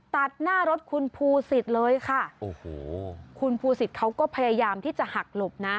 ตัดหน้ารถคุณภูศิษฐ์เลยค่ะโอ้โหคุณภูสิตเขาก็พยายามที่จะหักหลบนะ